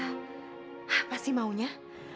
apa sih maunya